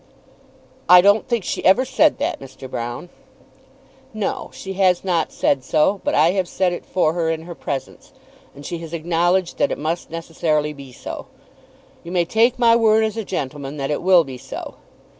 "I don't think she ever said that, Mr. Broune." "No; she has not said so. But I have said it for her in her presence; and she has acknowledged that it must necessarily be so. You may take my word as a gentleman that it will be so.